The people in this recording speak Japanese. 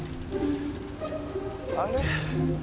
あれ？